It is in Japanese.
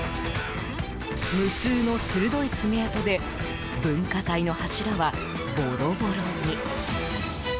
無数の鋭い爪痕で文化財の柱は、ボロボロに。